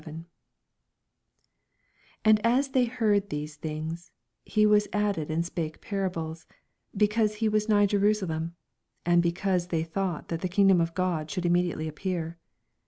11 Afld as they heard these things, ne added and spake a parable, because he was nigh to Jeraaalem, and because they thought that the kingdom of God should immediately appear.